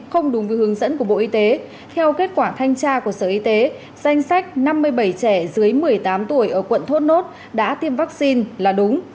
không đúng với hướng dẫn của bộ y tế theo kết quả thanh tra của sở y tế danh sách năm mươi bảy trẻ dưới một mươi tám tuổi ở quận thốt nốt đã tiêm vaccine là đúng